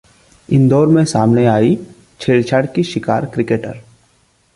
इंदौर में सामने आई छेड़छाड़ की शिकार क्रिकेटर